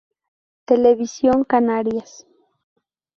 Televisión Canarias.